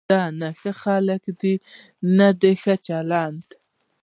دا نه ښه خلک دي نه ښه چلند.